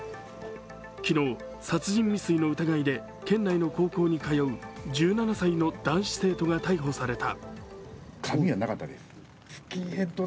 昨日、殺人未遂の疑いで県内の高校に通う１７歳の男子生徒が逮捕された。